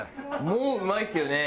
もううまいですよね。